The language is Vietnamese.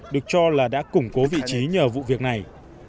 được cho là đã củng cố vị trí nhờ vụ việc này